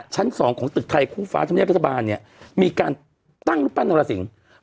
ชั้น๒ของตึกไทยคู่ฟ้าธรรมเนียบรัฐบาลเนี่ยมีการตั้งรูปปั้นนรสิงศ์